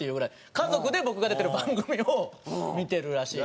家族で僕が出てる番組を見てるらしいので。